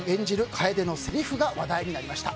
楓のせりふが話題になりました。